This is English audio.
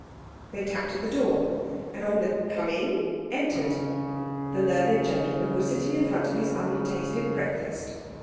They tapped at the door, and on the "Come in" entered. The learned gentleman was sitting in front of his untasted breakfast.